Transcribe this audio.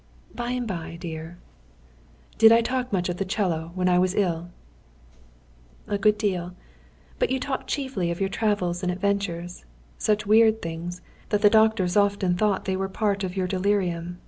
"By and by, dear." "Did I talk much of the 'cello when I was ill?" "A good deal. But you talked chiefly of your travels and adventures; such weird things, that the doctors often thought they were a part of your delirium.